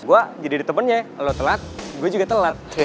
gue jadi temennya lo telat gue juga telat